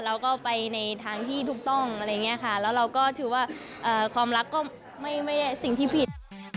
เราก็ไปในทางที่ถูกต้องอะไรอย่างนี้ค่ะแล้วเราก็ถือว่าความรักก็ไม่ได้สิ่งที่ผิด